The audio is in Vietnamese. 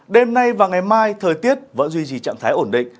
đêm nay và ngày mai thời tiết vẫn duy trì trạng thái ổn định